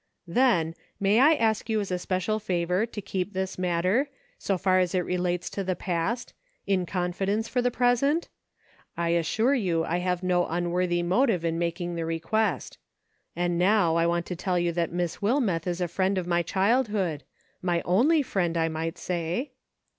"Then, may I ask you as a special favor to keep this matter, so far as it relates to the past, in con fidence for the present ? I assure you I have no unworthy motive in making the.request. And now I want to tell you that Miss Wilmeth is a friend of my childhood — my only friend, I might say."